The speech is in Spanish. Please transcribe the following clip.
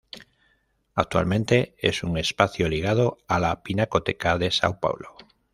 Actualmente, es un espacio ligado a la Pinacoteca de São Paulo.